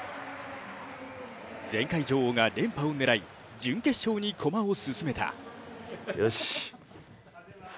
前回女王が連覇を狙い準決勝に駒を進めた。